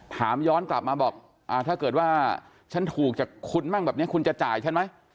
ถามย้อนกลับมาบอกถ้าเกิดว่าฉันถูกจากคุณมั่งแบบนี้คุณจะจ่ายฉันไหม